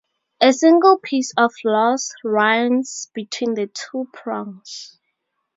A single piece of floss runs between the two prongs.